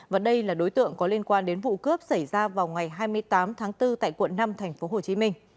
và đây là đối tượng có liên quan đến vụ cướp xảy ra vào ngày hai mươi tám tháng bốn tại quận năm tp hcm